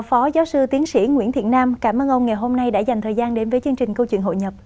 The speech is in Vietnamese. phó giáo sư tiến sĩ nguyễn thiện nam cảm ơn ông ngày hôm nay đã dành thời gian đến với chương trình câu chuyện hội nhập